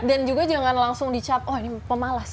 dan juga jangan langsung dicat oh ini pemalas